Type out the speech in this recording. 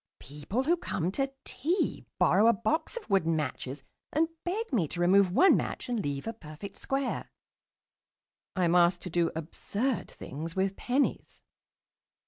People who come to tea borrow a box of wooden matches and beg me to remove one match and leave a perfect square. I am asked to do absurd things with pennies....